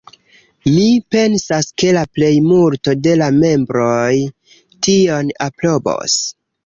Mi pensas ke la plejmulto de la membroj tion aprobos.